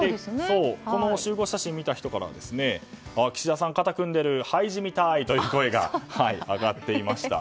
この集合写真を見た人からは岸田さん、肩を組んでるハイジみたいという声が上がっていました。